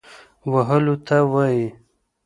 وهلو ته وايي.